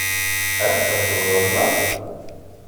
Ad d-taseḍ ɣer-neɣ?